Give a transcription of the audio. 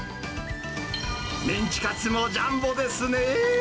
メンチカツもジャンボですね。